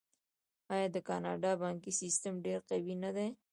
آیا د کاناډا بانکي سیستم ډیر قوي نه دی؟